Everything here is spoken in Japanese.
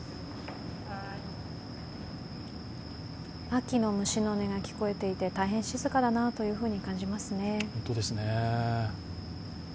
秋の虫の音が聞こえていて大変静かだなというふうに感じますね。